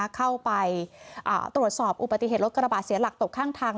เข้าไปตรวจสอบอุบัติเหตุรถกระบาดเสียหลักตกข้างทาง